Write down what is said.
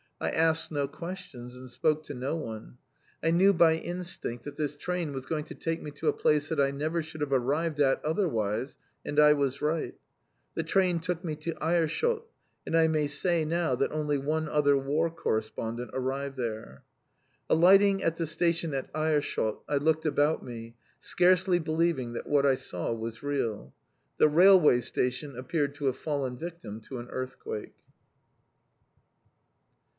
I asked no questions, and spoke to no one. I knew by instinct that this train was going to take me to a place that I never should have arrived at otherwise, and I was right. The train took me to Aerschot, and I may say now that only one other War Correspondent arrived there. Alighting at the station at Aerschot, I looked about me, scarcely believing that what I saw was real. The railway station appeared to have fallen victim to an earthquake.